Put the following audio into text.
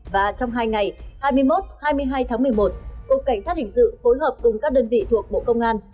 và trong hai ngày hai mươi một hai mươi hai tháng một mươi một cục cảnh sát hình sự phối hợp cùng các đơn vị thuộc bộ công an